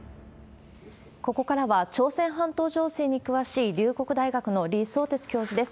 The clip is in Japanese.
ここからは、朝鮮半島情勢に詳しい龍谷大学の李相哲教授です。